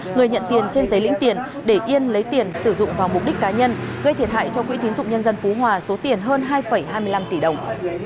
người nhận tiền trên giấy lĩnh tiền để yên lấy tiền sử dụng vào mục đích cá nhân gây thiệt hại cho quỹ tín dụng nhân dân phú hòa số tiền hơn hai hai mươi năm tỷ đồng